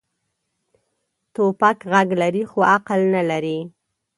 توپک غږ لري، خو عقل نه لري.